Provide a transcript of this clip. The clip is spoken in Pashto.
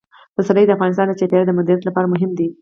پسرلی د افغانستان د چاپیریال د مدیریت لپاره مهم دي.